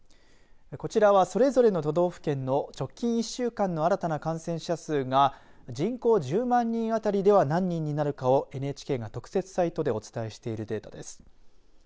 こちらは、それぞれの都道府県の直近１週間の新たな感染者数が人口１０万人当たりでは何人になるかをＮＨＫが特設サイトでお伝えしているデータです。